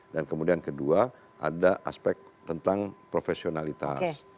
dan kemudian kedua ada aspek tentang profesionalitas